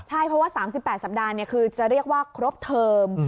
ใช่เพราะว่า๓๘สัปดาห์คือจะเรียกว่าครบเทอม